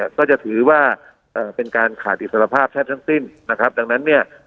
ก็จะถือว่าเป็นการขาดอิสรภาพแทบทั้งสิ้นนะครับดังนั้นเนี่ย